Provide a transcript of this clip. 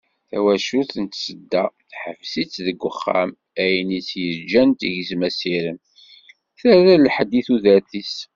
Tawacult n Tsedda, teḥbes-itt deg uxxam, ayen i tt-yeǧǧan tegzem asirem, terra lḥedd i tudert-is.